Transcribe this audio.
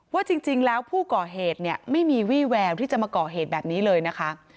ว่าจริงแล้วผู้ก่อเหตุเนี่ยไม่มีวี่แววที่จะมาก่อเหตุแบบนี้เลยนะคะ